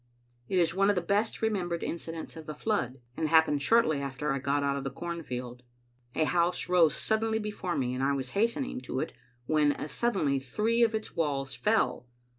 It is one of the best remembered incidents of the flood, and happened shortly after I got out of the cornfield. A house rose suddenly before me, and I was hastening to it when as suddenly three of its walls fell.